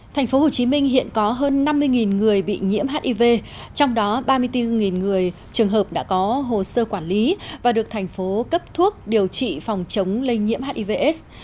thành phố hồ chí minh hiện có hơn năm mươi người bị nhiễm hiv trong đó ba mươi bốn người trường hợp đã có hồ sơ quản lý và được thành phố cấp thuốc điều trị phòng chống lây nhiễm hiv aids